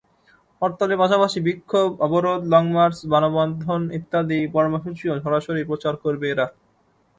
হরতালের পাশাপাশি বিক্ষোভ, অবরোধ, লংমার্চ, মানববন্ধন ইত্যাদি কর্মসূচিও সরাসরি প্রচার করবে এরা।